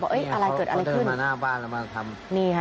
เอ้ยอะไรเกิดอะไรขึ้นมาหน้าบ้านแล้วมาทำนี่ค่ะ